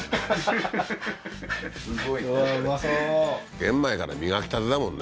玄米から磨き立てだもんね